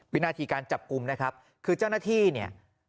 วินาทีการจับกลุ่มนะครับคือเจ้าหน้าที่เนี่ย